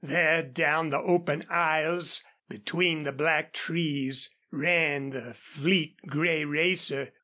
There down the open aisles between the black trees ran the fleet gray racer.